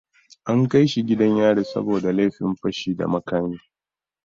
An kaishi gidan yari saboda laifin fashi da makami.